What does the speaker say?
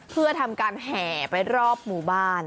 เพื่อทำการแห่ไปรอบหมู่บ้าน